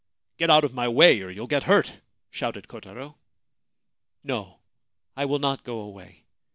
' Get out of my way, or you will get hurt,' shouted Kotaro. ' No : I will not go away.